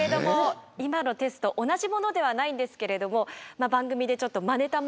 今のテスト同じものではないんですけれども番組でちょっとまねたものをですね